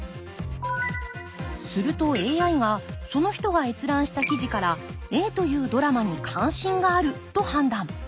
するとＡＩがその人が閲覧した記事からＡというドラマに関心があると判断。